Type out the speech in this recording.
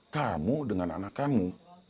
kamu dengan anak kamu